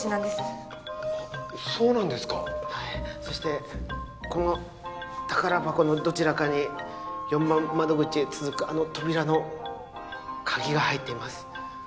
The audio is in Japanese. そしてこの宝箱のどちらかに４番窓口へ続くあの扉の鍵が入っています。